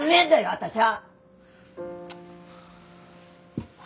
私は！